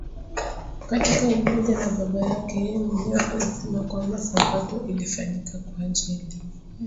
katika Umoja na Baba yake Yeye Mwenyewe alisema kwamba Sabato ilifanyika kwa ajili ya